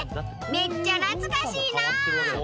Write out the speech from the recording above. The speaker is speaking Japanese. めっちゃ懐かしいな！